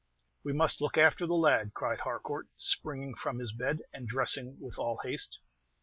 "We must look after the lad," cried Harcourt, springing from his bed, and dressing with all haste.